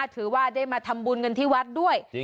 ถือว่าได้มาทำบุญกันที่วัดด้วย